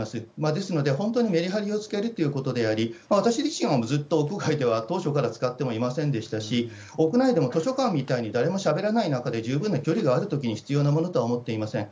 ですので、本当にめりはりをつけるということであり、私自身はずっと屋外では、当初から使ってもいませんでしたし、屋内でも図書館みたいに誰もしゃべらない中で、十分な距離があるときに必要なものとは思っていません。